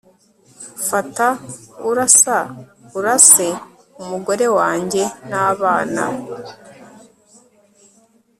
fata urasa urase umugore wanjye nabana